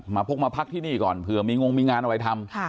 พกมาพักที่นี่ก่อนเผื่อมีงงมีงานอะไรทำ